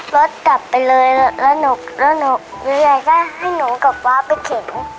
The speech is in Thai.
รถกลับไปเลยแล้วหนูแล้วหนูอย่างไรก็ให้หนูกับฟ้าไปเข็ม